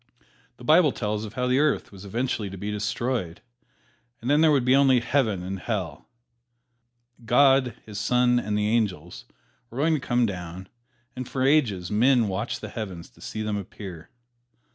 The Bible tells of how the Earth was eventually to be destroyed, and then there would be only Heaven and Hell. God, His Son and the angels were going to come down, and for ages men watched the heavens to see them appear.